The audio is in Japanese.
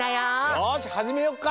よしはじめよっか。